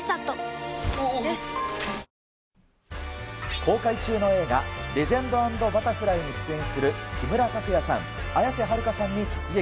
公開中の映画、レジェンド＆バタフライに出演する木村拓哉さん、綾瀬はるかさんに直撃。